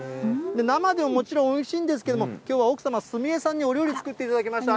生でももちろんおいしいんですけれども、きょうは奥様、スミ江さんにお料理作っていただきました。